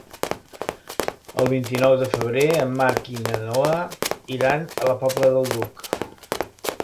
El vint-i-nou de febrer en Marc i na Noa iran a la Pobla del Duc.